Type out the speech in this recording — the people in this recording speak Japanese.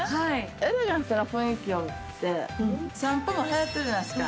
エレガントな雰囲気をもって散歩もはやってるじゃないですか。